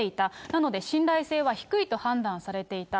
なので、信頼性は低いと判断されていた。